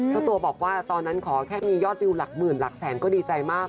เจ้าตัวบอกว่าตอนนั้นขอแค่มียอดวิวหลักหมื่นหลักแสนก็ดีใจมาก